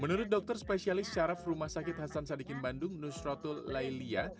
menurut dokter spesialis syaraf rumah sakit hasan sadikin bandung nusratul lailia